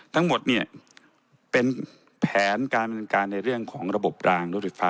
ทั้งหมดเนี่ยเป็นแผนการบริการในเรื่องของระบบรางรถไฟฟ้า